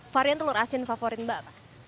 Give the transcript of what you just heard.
varian telur asin favorit mbak